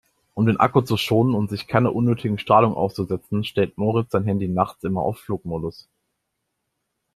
Um den Akku zu schonen und sich keiner unnötigen Strahlung auszusetzen, stellt Moritz sein Handy nachts immer auf Flugmodus.